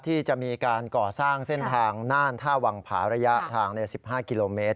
ที่จะมีการก่อสร้างเส้นทางน่านท่าวังผาระยะทางใน๑๕กิโลเมตร